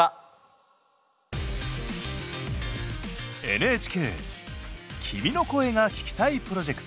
ＮＨＫ「君の声が聴きたいプロジェクト」。